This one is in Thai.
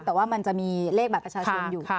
แต่ว่ามันจะมีเลขบัตรประชาชนอยู่